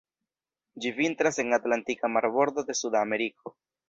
Ĝi vintras en atlantika marbordo de Suda Ameriko.